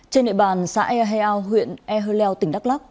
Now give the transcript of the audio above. trên nệ bàn xã eheo huyện eheo leo tỉnh đắk lắc